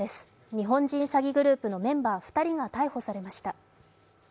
日本人詐欺グループのメンバー２人が逮捕されました。